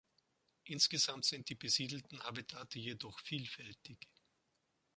Insgesamt sind die besiedelten Habitate jedoch vielfältig.